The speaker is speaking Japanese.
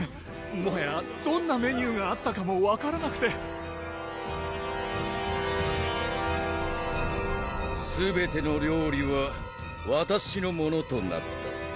もはやどんなメニューがあったかも分からなくてすべての料理はわたしのものとなった